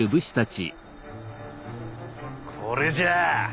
これじゃ！